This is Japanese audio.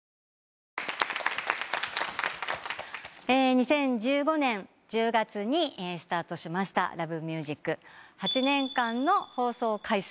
２０１５年１０月にスタートしました『Ｌｏｖｅｍｕｓｉｃ』８年間の放送回数